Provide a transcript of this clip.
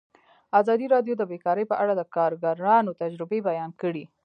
ازادي راډیو د بیکاري په اړه د کارګرانو تجربې بیان کړي.